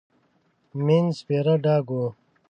مينځ سپيره ډاګ و.